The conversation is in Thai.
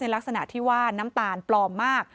ลักษณะที่ว่าน้ำตาลปลอมมาก